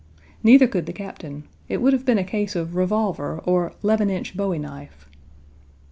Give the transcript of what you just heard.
Neither could the Captain. It would have been a case of revolver or " 'leven inch Bowie knife."